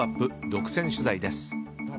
独占取材です。